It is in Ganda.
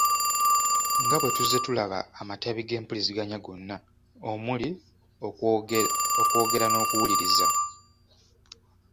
Nga bwe tuzze tulaba amatabi g’empuliziganya gonna, omuli okwogera n’okuwuliriza.